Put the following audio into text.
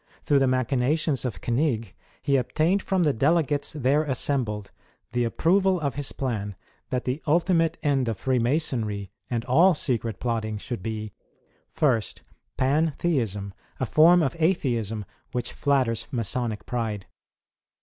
Through the machinations of Knigg, he obtained from the delegates there assembled, the approval of his plan that tlie ultimate end of Freemasonry and all secret plotting should be — 1°, Pantheism — a form of Atheism which flatters Masonic pride.